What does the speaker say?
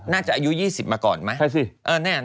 น่าจะอายุ๒๐มาก่อนไหมใช่สิ